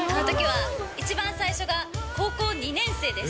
一番最初が高校２年生です。